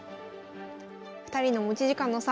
２人の持ち時間の差